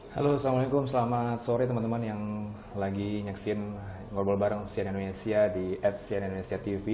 halo assalamualaikum selamat sore teman teman yang lagi nyaksiin ngobrol bareng sian indonesia di at sian indonesia tv